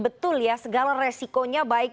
betul ya segala resikonya baik